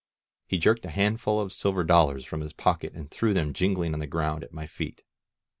He jerked a handful of silver dollars from his pocket and threw them jingling on the ground at my feet.